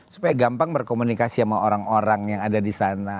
supaya gampang berkomunikasi sama orang orang yang ada di sana